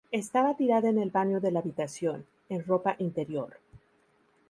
Estaba tirada en el baño de la habitación, en ropa interior.